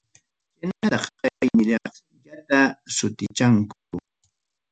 Chaynatam chay niraqllata sutichanku.